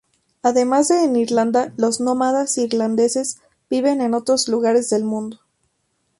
Además de en Irlanda, los nómadas irlandeses viven en otros lugares del mundo.